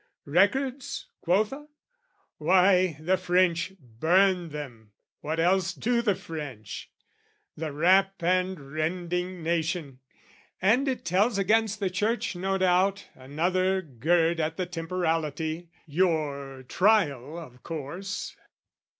Records, quotha? "Why, the French burned them, what else do the French? "The rap and rending nation! And it tells "Against the Church, no doubt, another gird "At the Temporality, your Trial, of course?"